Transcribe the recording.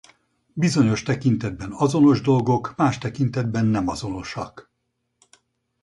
Bizonyos tekintetben azonos dolgok más tekintetben nem azonosak.